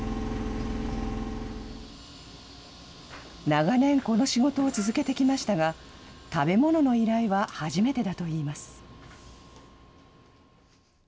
長年、この仕事を続けてきましたが、食べ物の依頼は初めてだといいます。